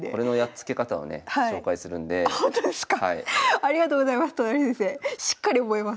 ありがとうございます